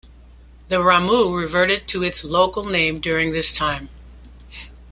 The Ramu reverted to its local name during this time.